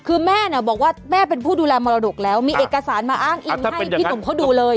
คือแม่เนี่ยบอกว่าแม่เป็นผู้ดูแลมรดกแล้วมีเอกสารมาอ้างอิงให้พี่หนุ่มเขาดูเลย